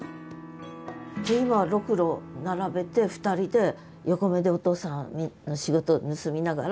じゃあ今ろくろ並べて２人で横目でお父さんの仕事を盗みながら？